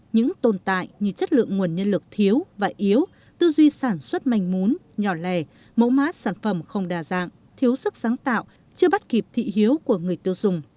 những tồn tại như chất lượng nguồn nhân lực thiếu và yếu tư duy sản xuất manh mún nhỏ lẻ mẫu má sản phẩm không đa dạng thiếu sức sáng tạo chưa bắt kịp thị hiếu của người tiêu dùng